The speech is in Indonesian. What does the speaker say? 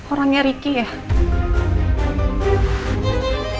orangnya ricky ya